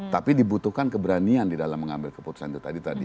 tapi dibutuhkan keberanian di dalam mengambil keputusan itu tadi